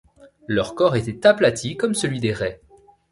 Leur corps était aplati comme celui des raies.